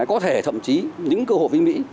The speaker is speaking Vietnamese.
có thể thậm chí những cơ hội với mỹ